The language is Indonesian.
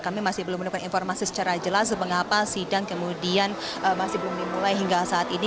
kami masih belum menemukan informasi secara jelas mengapa sidang kemudian masih belum dimulai hingga saat ini